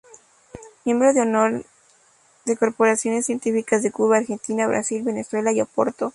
Miembro de honor de corporaciones científicas de Cuba, Argentina, Brasil, Venezuela y Oporto.